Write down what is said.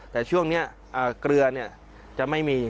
แต่ช่วงนี้เกลือจะไม่มี